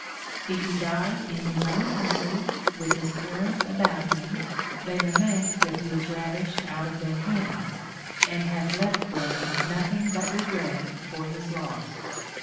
* If he die in his ΟΛνη country, with his parents about him, they lament that he is ravished out of their hands, and hath left them nothing but regret for his loss.